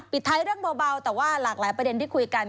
ปิดท้ายเรื่องเบาแต่ว่าหลากหลายประเด็นที่คุยกัน